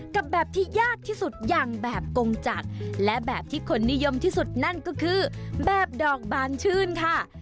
กับแบบที่ยากที่สุดอย่างแบบกงจักรและแบบที่คนนิยมที่สุดนั่นก็คือแบบดอกบานชื่นค่ะ